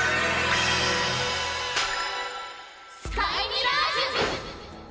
スカイミラージュ！